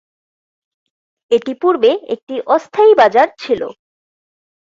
এটি পূর্বে একটি অস্থায়ী বাজার ছিল।